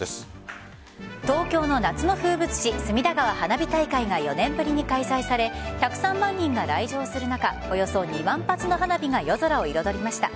東京の夏の風物詩隅田川花火大会が４年ぶりに開催され１０３万人が来場する中およそ２万発の花火が夜空を彩りました。